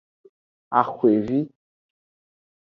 Axwevi.